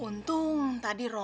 tuhan tuhan tuhan tuhan krishna tuhan